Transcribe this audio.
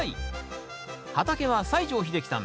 畑は西城秀樹さん